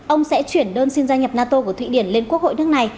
ông sẽ chuyển đơn xin gia nhập nato của thụy điển lên quốc hội nước này